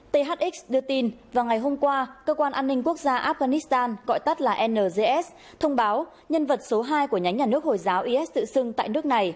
thx đưa tin vào ngày hôm qua cơ quan an ninh quốc gia afghanistan gọi tắt là nzs thông báo nhân vật số hai của nhánh nhà nước hồi giáo is tự xưng tại nước này